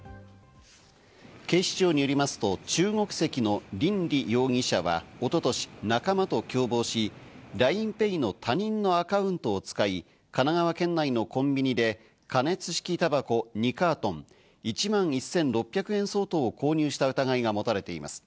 警視庁によりますと、中国籍のリン・リ容疑者は一昨年、仲間と共謀し、ＬＩＮＥＰａｙの他人のアカウントを使い、神奈川県内のコンビニで、加熱式たばこ２カートン、１万１１６００円相当を購入した疑いが持たれています。